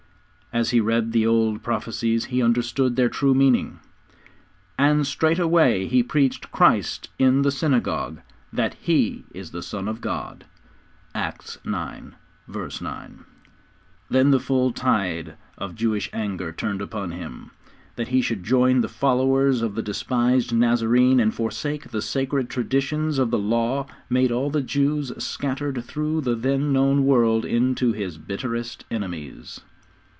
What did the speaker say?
As he read the old prophesies he understood their true meaning, 'and straightway he preached Christ in the synagogues, that He is the Son of God.' (Acts ix. 9.) Then the full tide of Jewish anger turned upon him. That he should join the followers of the despised Nazarene and forsake the sacred traditions of the Law made all the Jews scattered through the then known world into his bitterest enemies.